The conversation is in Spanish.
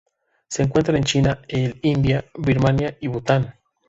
Se encuentra en China, el India, Birmania y Bután.